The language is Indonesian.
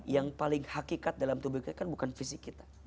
yang paling hakikat dalam tubuh kita kan bukan fisik kita